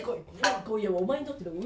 今夜はお前にとっての初陣だ。